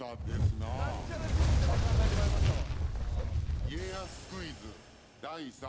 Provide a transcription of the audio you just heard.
なんちゃら神社で考えてまいましたわ。